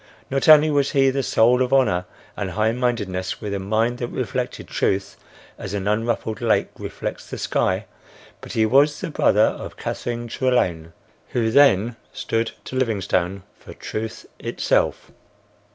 Not only was he the soul of honor and high mindedness, with a mind that reflected truth as an unruffled lake reflects the sky, but he was the brother of Catherine Trelane, who then stood to Livingstone for Truth itself.